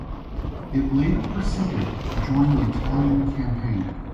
It later proceeded to join the Italian Campaign.